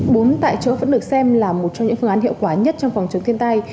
bốn tại chỗ vẫn được xem là một trong những phương án hiệu quả nhất trong phòng chống thiên tai